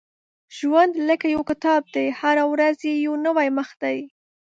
• ژوند لکه یو کتاب دی، هره ورځ یې یو نوی مخ دی.